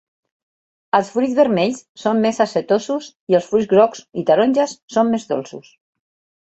Els fruits vermells són més acetosos i els fruits grocs i taronges són més dolços.